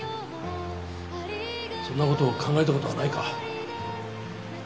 そんな事を考えた事はないか？